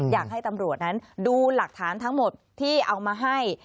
อยากให้ตำรวจนั้นดูหลักฐานทั้งหมดที่เอามาให้